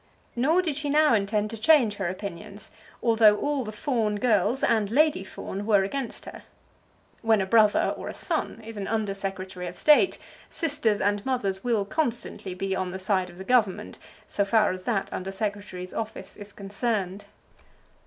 Nor did she now intend to change her opinions, although all the Fawn girls, and Lady Fawn, were against her. When a brother or a son is an Under Secretary of State, sisters and mothers will constantly be on the side of the Government, so far as that Under Secretary's office is concerned.